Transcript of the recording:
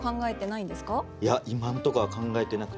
いや今んとこは考えてなくて。